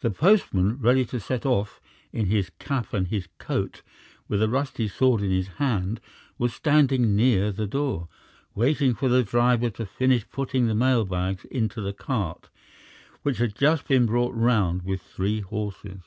The postman, ready to set off, in his cap and his coat, with a rusty sword in his hand, was standing near the door, waiting for the driver to finish putting the mail bags into the cart which had just been brought round with three horses.